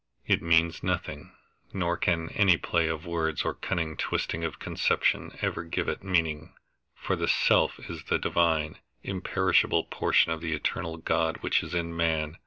It means nothing, nor can any play of words or cunning twisting of conception ever give it meaning. For the "self" is the divine, imperishable portion of the eternal God which is in man.